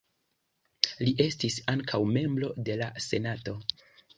Li estis ankaŭ membro de la senato.